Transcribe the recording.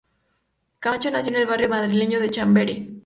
Camacho nació en el barrio madrileño de Chamberí.